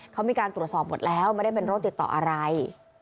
เขามีการตรวจสอบหมดแล้วไม่ได้เป็นโรคติดต่ออะไร